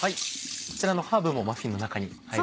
こちらのハーブもマフィンの中に入るんですね。